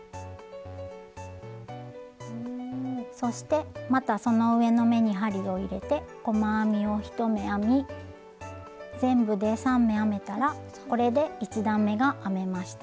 そしてまたその上の目に針を入れて細編みを１目編み全部で３目編めたらこれで１段めが編めました。